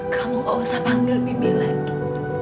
kamu enggak usah panggil bibi lagi